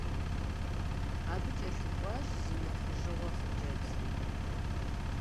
Абы кӏэлъыкӏуащ зи нэхъыжьыгъуэ хъыджэбзри.